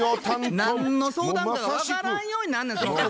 何の相談か分からんようになんねん。